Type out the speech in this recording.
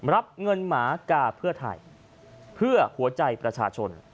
รับเงินหมากาเพื่อไทยเพื่อหัวใจประชาชน